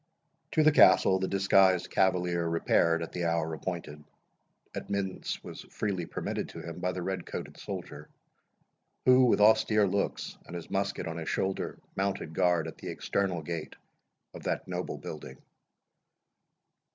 To the Castle the disguised cavalier repaired at the hour appointed. Admittance was freely permitted to him by the red coated soldier, who, with austere looks, and his musket on his shoulder, mounted guard at the external gate of that noble building.